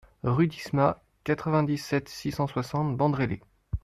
Rue Disma, quatre-vingt-dix-sept, six cent soixante Bandrélé